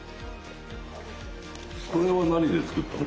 これは何で作ったの？